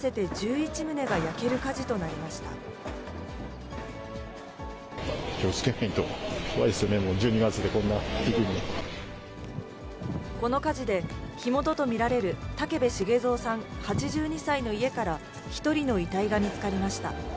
気をつけないと怖いですよね、この火事で、火元と見られる武部重藏さん８２歳の家から１人の遺体が見つかりました。